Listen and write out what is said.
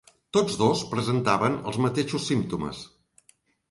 Tots dos presentaven els mateixos símptomes.